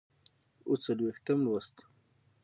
اووه څلوېښتم لوست